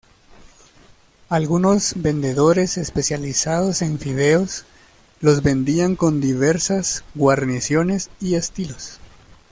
Algunos vendedores especializados en fideos los vendían con diversas guarniciones y estilos.